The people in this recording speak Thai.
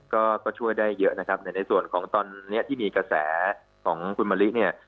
ก็ก็ช่วยได้เยอะนะครับแต่ในส่วนของตอนนี้ที่มีกระแสของคุณมะลิเนี่ย